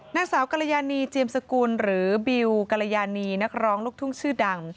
นางสาวกรยานีเจียมสกุลหรือบิวกรยานีนักร้องลูกทุ่งชื่อดัง